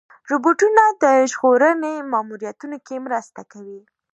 روبوټونه د ژغورنې ماموریتونو کې مرسته کوي.